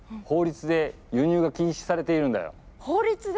法律で！？